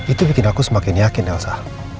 itu bikin aku semakin yakin elsa